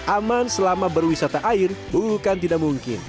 aman selama berwisata air bukan tidak mungkin